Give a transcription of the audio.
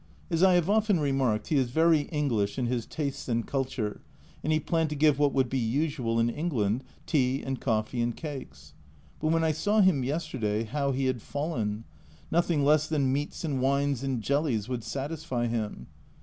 As I have often remarked, he is very English in his tastes and culture, and he planned to give what would be usual in England tea and coffee and cakes. But when I saw him yesterday, how he had fallen ! Nothing less than meats and wines and jellies would satisfy him.